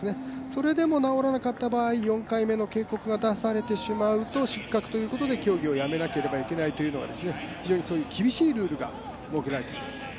それでも直らなかった場合、４回目の警告が出されてしまうと失格ということで競技をやめなければいけない非常に厳しいルールが設けられています。